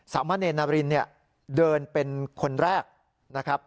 มะเนรนารินเนี่ยเดินเป็นคนแรกนะครับ